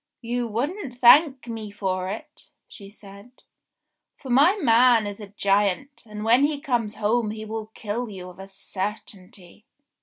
"You wouldn't thank me for it," she said, "for my man is a giant, and when he comes home he will kill you of a certainty."